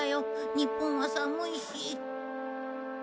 日本は寒いし。